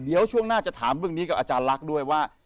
เดี๋ยวช่วงหน้าจะถามเรื่องนี้กับอาจารย์ลักษณ์ด้วยว่า